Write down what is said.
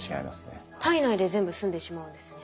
体内で全部すんでしまうんですね。